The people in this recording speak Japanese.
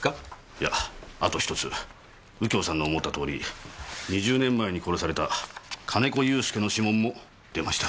いやあと１つ右京さんの思ったとおり２０年前に殺された金子祐介の指紋も出ました。